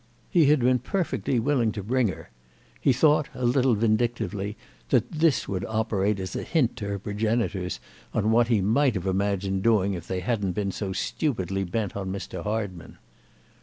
He had been perfectly willing to bring her; he thought, a little vindictively, that this would operate as a hint to her progenitors on what he might have imagined doing if they hadn't been so stupidly bent on Mr. Hardman.